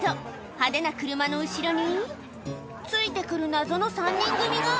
派手な車の後ろに、ついてくる謎の３人組が。